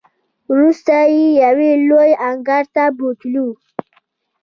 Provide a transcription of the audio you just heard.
وروسته یې یوې لویې انګړ ته بوتللو.